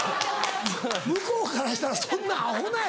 向こうからしたらそんなアホな！